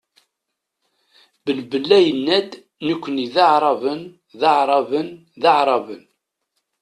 Ben Bella yenna-d: "Nekni d aɛraben, d aɛraben, d aɛraben".